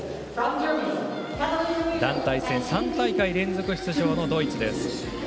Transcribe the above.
団体戦３大会連続出場のドイツ。